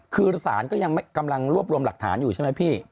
คือศาลก็ยังกำลังรวบรวมหลักฐานอยู่ใช่ไหมพี่